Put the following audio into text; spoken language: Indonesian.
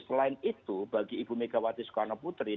selain itu bagi ibu megawati soekarno putri